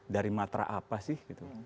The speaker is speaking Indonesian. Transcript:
dari matra apa sih